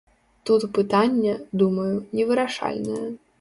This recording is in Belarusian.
Тут пытанне, думаю, невырашальнае.